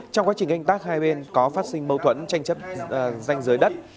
trong quá trình canh tác hai bên có phát sinh mâu thuẫn tranh chấp danh giới đất